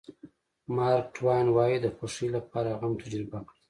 مارک ټواین وایي د خوښۍ لپاره غم تجربه کړئ.